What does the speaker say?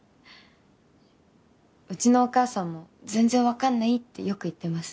うちのお母さんも全然わかんないってよく言ってます。